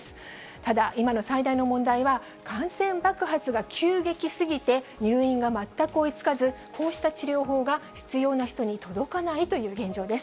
ただ、今の最大の問題は、感染爆発が急激すぎて、入院が全く追いつかず、こうした治療法が必要な人に届かないという現状です。